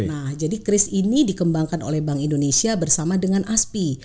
nah jadi kris ini dikembangkan oleh bank indonesia bersama dengan aspi